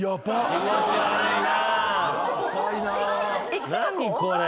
気持ち悪いな。